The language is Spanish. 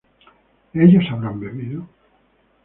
¿ellos habrán bebido?